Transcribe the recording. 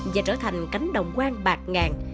và trở thành cánh đồng quang bạc ngàn